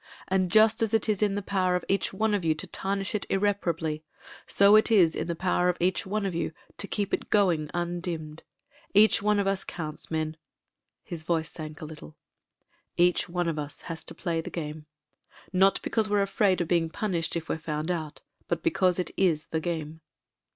And just as it is in the power of each one of you to tarnish it irreparably, so is it in the power of each one of you to keep it going undimmed. Each one of us counts, men" — his voice sank a little — "each one of us has to play the game. Not because we're afraid of being punished if we're found out, but because it is the game."